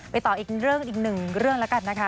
ต่ออีกเรื่องอีกหนึ่งเรื่องแล้วกันนะคะ